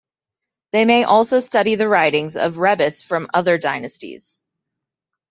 They may also study the writings of Rebbes from other dynasties.